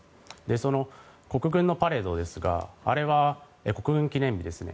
その国軍のパレードですがあれは、国軍記念日ですね。